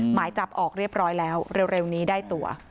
หมายจับออกเรียบร้อยแล้วเร็วนี้ได้ตัว